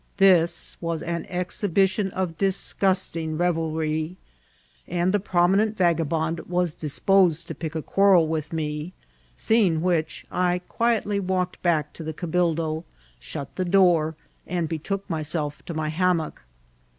This was an exhibition of disgusting revelry, and the prominent vagabond was disposed to pick a quarrel with me ; see* ing which, I quietly walked back to the cabildo, shut the door, and betook myself to my hammock.